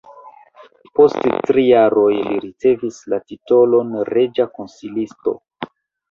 Post tri jaroj li ricevis la titolon reĝa konsilisto.